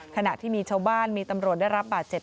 ขณะที่มีชาวบ้านมีตำรวจได้รับบาดเจ็บ